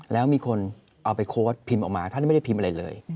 แล้วมีคนเอาไปโพสต์พิมพ์ออกมาท่านไม่ได้พิมพ์อะไรเลย